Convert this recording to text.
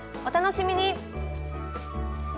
お楽しみに！